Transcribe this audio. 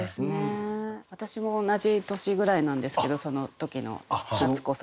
私も同じ年ぐらいなんですけどその時の立子さんと。